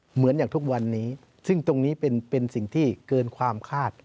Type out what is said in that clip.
เหมือนอย่างทุกวันนี้ซึ่งตรงนี้เป็นสิ่งที่เกินความคาด